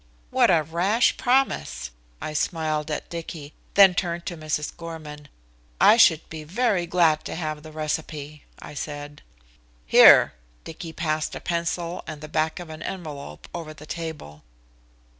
"What a rash promise," I smiled at Dicky, then turned to Mrs. Gorman. "I should be very glad to have the recipe," I said. "Here," Dicky passed a pencil and the back of an envelope over the table.